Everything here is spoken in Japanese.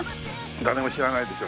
誰も知らないでしょ。